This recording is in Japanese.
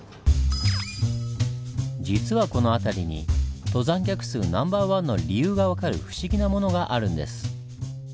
実はこの辺りに登山客数ナンバーワンの理由が分かる不思議なものがあるんです。